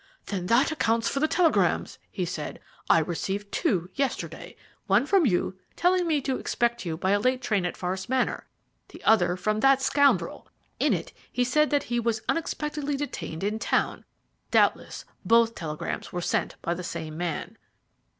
"Then that accounts for the telegrams," he said. "I received two yesterday, one from you telling me to expect you by a late train at Forest Manor, the other from that scoundrel. In it he said that be was unexpectedly detained in town. Doubtless both telegrams were sent by the same man."